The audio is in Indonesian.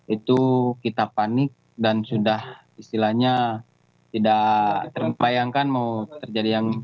itu kita panik dan sudah istilahnya tidak terbayangkan mau terjadi yang